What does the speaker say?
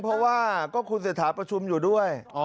เพราะว่าก็คุณเศรษฐาประชุมอยู่ด้วย